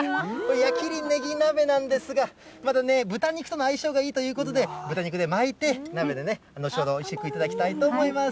矢切ねぎ鍋なんですが、またね、豚肉との相性がいいということで、豚肉で巻いて、鍋で、後ほど、おいしく頂きたいと思います。